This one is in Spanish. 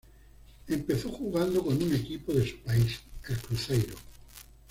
Empezó jugando con un equipo de su país, el Cruzeiro.